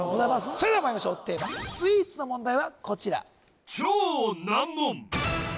それではまいりましょうテーマスイーツの問題はこちら